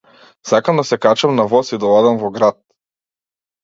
Сакам да се качам на воз и да одам во град.